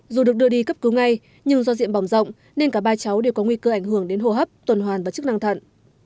dù được đưa đi cấp cứu ngay nhưng do diện bỏng rộng nên cả ba cháu đều có nguy cơ ảnh hưởng đến hô hấp tuần hoàn và chức năng thận